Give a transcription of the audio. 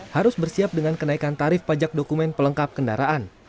harus bersiap dengan kenaikan tarif pajak dokumen pelengkap kendaraan